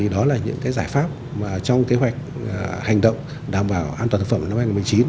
đó là những giải pháp trong kế hoạch hành động đảm bảo an toàn thực phẩm năm hai nghìn một mươi chín